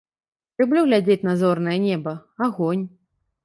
Люблю глядзець на зорнае неба, агонь.